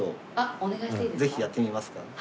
ぜひやってみますか？